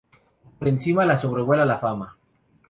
Por encima, la sobrevuela la Fama.